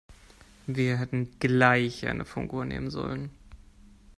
Wir hätten gleich eine Funkuhr nehmen sollen.